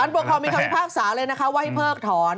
มันประคอมมีความพิภาคสาเลยนะคะว่าให้เพิกถอน